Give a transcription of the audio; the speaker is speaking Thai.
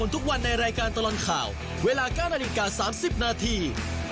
ทุกวันในรายการตลอดข่าวเวลา๙นาฬิกา๓๐นาที